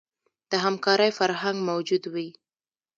د همکارۍ فرهنګ موجود وي.